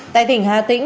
tại tỉnh hà tĩnh